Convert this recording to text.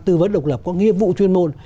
tư vấn độc lập có nghiệp vụ chuyên môn